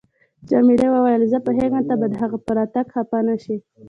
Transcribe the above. جميلې وويل: زه پوهیږم ته به د هغې په راتګ خفه نه شې.